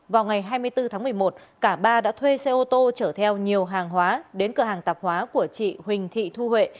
vào ngày hai mươi bốn tháng một mươi một cả ba đã thuê xe ô tô chở theo nhiều hàng hóa đến cửa hàng tạp hóa của chị huỳnh thị thuệ